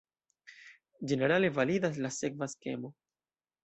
Ĝenerale validas la sekva skemo.